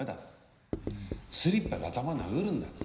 スリッパで頭殴るんだと。